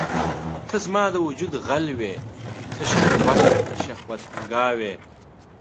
ته زما د وجود غل وې ته شهوت، شهوت نګاه وي